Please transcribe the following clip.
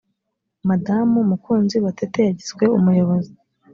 madamu mukunzi batete yagizwe umuyobozi.